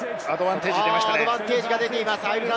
アドバンテージが出ましたね。